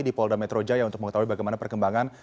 di polda metro jaya untuk mengetahui bagaimana perkembangan